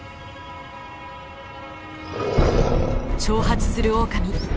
挑発するオオカミ。